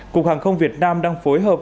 cục hàng không việt nam đang phối hợp